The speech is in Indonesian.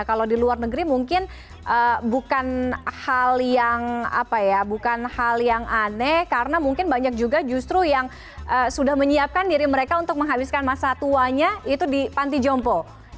kalau di luar negeri mungkin bukan hal yang aneh karena mungkin banyak juga justru yang sudah menyiapkan diri mereka untuk menghabiskan masa tuanya itu di pantijompo